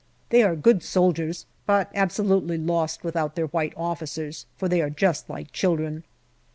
They are good soldiers, but absolutely lost without their white officers, for they are just like children.